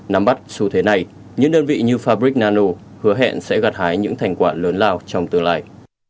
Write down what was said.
nắm bắt xu thế này những đơn vị như fabric nano hứa hẹn sẽ gặt hái những thành quả lớn lao trong tương lai